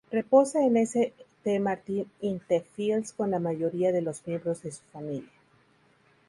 Reposa en St Martin-in-the-Fields con la mayoría de los miembros de su familia.